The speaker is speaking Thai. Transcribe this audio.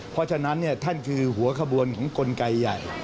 เพราะฉะนั้นท่านคือหัวขบวนของกลไกใหญ่